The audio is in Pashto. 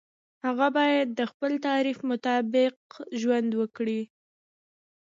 هغه باید د خپل تعریف مطابق ژوند وکړي.